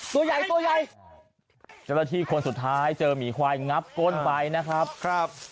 ตัวใหญ่ตัวใหญ่เจ้าหน้าที่คนสุดท้ายเจอหมีควายงับก้นไปนะครับครับ